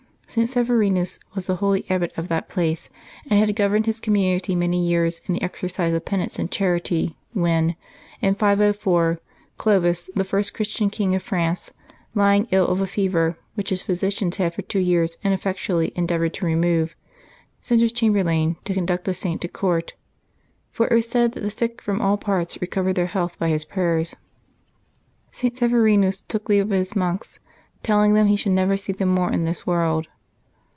St. Severinus was the holy abbot of that place, and had governed his com F«BBUABT 12] LIVES OF THE SAINTS n munity many years in the exercise of penance and charity, when, in 504, Clovis, the first Christian king of France, lying ill of a fever, which his physicians had for two years ineffectually endeavored to remove, sent his chamberlain to conduct the Saint to court ; for it was said that the sick from all parts recovered their health by his prayers. St. Severinus took leave of his monks, telling them he should never see them more in this world.